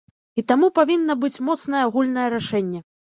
І таму павінна быць моцнае агульнае рашэнне.